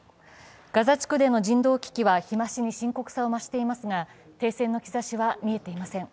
ガザ地区での人道危機は日増しに深刻さを増していますが、停戦の兆しは見えていません。